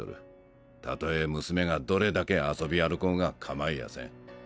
たとえ娘がどれだけ遊び歩こうがかまいやせん。